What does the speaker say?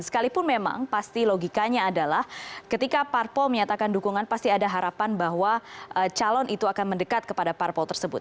sekalipun memang pasti logikanya adalah ketika parpol menyatakan dukungan pasti ada harapan bahwa calon itu akan mendekat kepada parpol tersebut